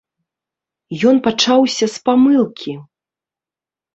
Ён пачаўся з памылкі!